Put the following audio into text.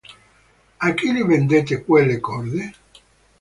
A chi le vendete quelle corde?